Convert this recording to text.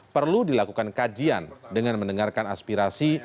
perlu dilakukan kajian dengan mendengarkan aspirasi